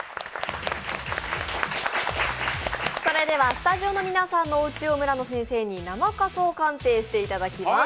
スタジオの皆さんのおうちを村野先生に生家相鑑定していただきます。